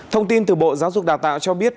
thông tin từ bộ giáo dục đào tạo cho biết